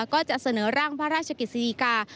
ก็จะเสนอร่างพระราชกิจสิทธิกา